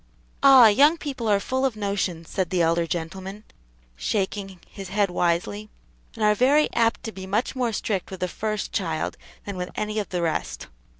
"Ah! young people are full of notions," said the elder gentleman, shaking his head wisely, "and are very apt to be much more strict with the first child than with any of the rest.